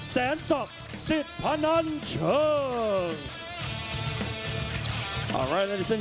แซนซอฟสิทธิ์พันันช่วง